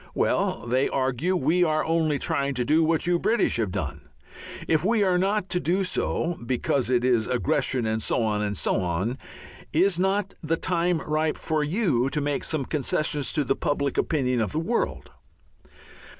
_ Well, they argue, we are only trying to do what you British have done. If we are not to do so because it is aggression and so on and so on is not the time ripe for you to make some concessions to the public opinion of the world?